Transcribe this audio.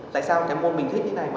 tại sao cái môn mình thích như thế này